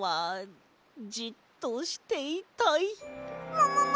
ももも？